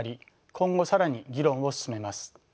今後更に議論を進めます。